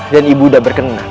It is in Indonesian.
dan ibu anda berkenan